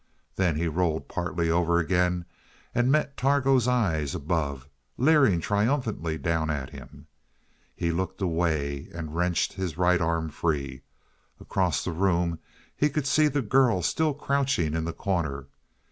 Then he rolled partly over again, and met Targo's eyes above, leering triumphantly down at him. He looked away and wrenched his right arm free. Across the room he could see the girl still crouching in the corner.